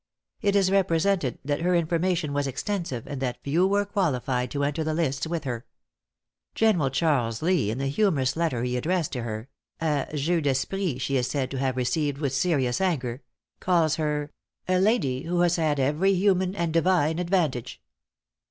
It is represented that her information was extensive, and that few were qualified to enter the lists with her. General Charles Lee in the humorous letter he addressed to her a jeu d'esprit she is said to have received with serious anger calls her "a lady who has had every human and divine advantage."